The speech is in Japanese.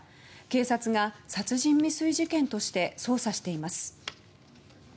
警察が殺人未遂事件として捜査しています。